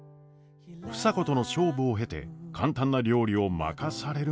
房子との勝負を経て簡単な料理を任されるまでになった暢子。